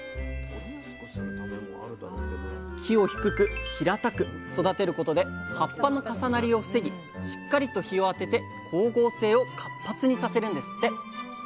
木を低く平たく育てることで葉っぱの重なりを防ぎしっかりと日を当てて光合成を活発にさせるんですって！